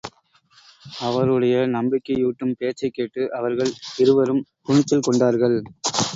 அவருடைய நம்பிக்கையூட்டும் பேச்சைக் கேட்டு அவர்கள் இருவரும் துணிச்சல் கொண்டார்கள்.